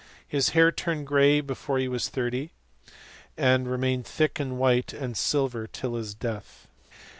His hair turned grey before he was thirty, and remained thick and white as silver till his death.